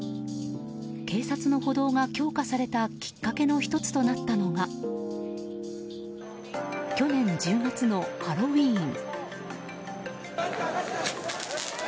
警察の補導が強化されたきっかけの１つとなったのが去年１０月のハロウィーン。